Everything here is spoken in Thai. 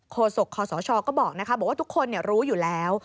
โศกคศก็บอกว่าทุกคนรู้อยู่แล้ว